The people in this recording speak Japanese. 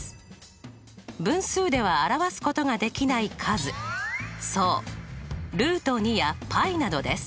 分数では表すことができない数そうやπなどです。